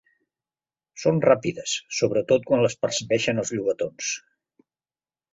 Són ràpides, sobretot quan les persegueixen els llobatons.